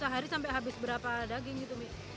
sehari sampai habis berapa daging gitu mi